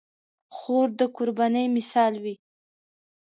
خور د قربانۍ مثال وي.